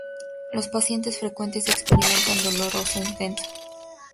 Los pacientes frecuentemente experimentan dolor óseo intenso.